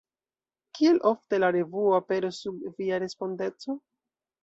Kiel ofte la revuo aperos sub via respondeco?